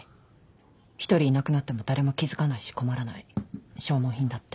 １人いなくなっても誰も気付かないし困らない消耗品だって。